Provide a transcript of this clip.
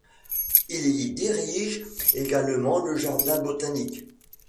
Il y dirige également le jardin botanique.